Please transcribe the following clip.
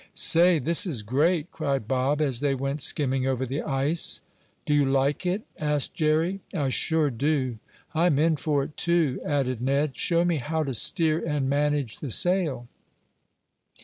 "Say, this is great!" cried Bob, as they went skimming over the ice. "Do you like it?" asked Jerry. "I sure do!" "I'm in for it, too," added Ned. "Show me how to steer and manage the sail."